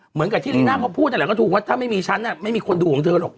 เหมือนกับที่ลีน่าพอพูดอะไรก็ถูกว่าถ้าไม่มีฉันอ่ะไม่มีคนดูของเธอหรอก